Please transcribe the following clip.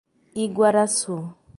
Iguaraçu